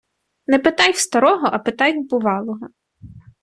Не питай в старого, а питай в бувалого.